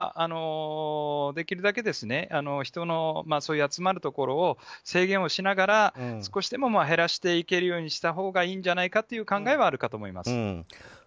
そういうような何とかできるだけ人の集まるところを制限をしながら少しでも減らしていけるようにしたほうがいいんじゃないかという考えはあるかと思います。